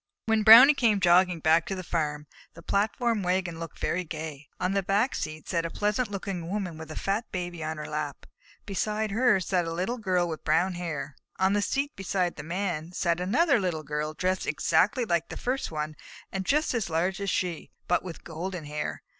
When Brownie came jogging back to the farm, the platform wagon looked very gay. On the back seat sat a pleasant looking Woman with a fat Baby on her lap. Beside her sat a Little Girl with brown hair. On the seat beside the Man sat another Little Girl, dressed exactly like the first one and just as large as she, but with golden hair.